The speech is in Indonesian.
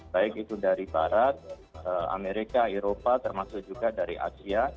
baik itu dari barat amerika eropa termasuk juga dari asia